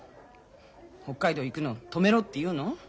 北海道行くのを止めろっていうの？